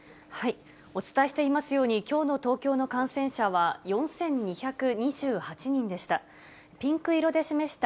お伝えしていますように、きょうの東京の感染者は、４２２８人でした。